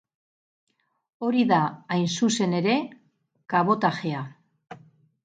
Hori da, hain zuzen ere, kabotajea.